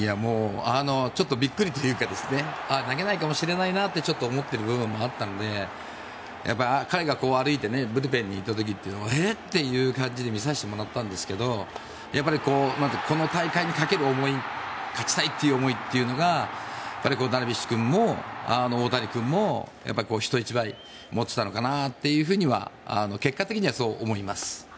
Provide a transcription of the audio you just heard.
ちょっとびっくりというか投げないかもしれないなって思っている部分もあったのでやっぱり彼が歩いてブルペンに行った時はえっ？という感じで見させてもらったんですがこの大会にかける思い勝ちたいという思いがやっぱりダルビッシュ君も大谷君も人一倍持っていたのかなとは結果的にはそう思います。